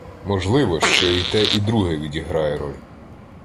— Можливо, що і те, і друге відіграє роль.